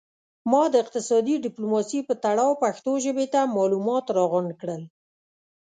ما د اقتصادي ډیپلوماسي په تړاو پښتو ژبې ته معلومات را غونډ کړل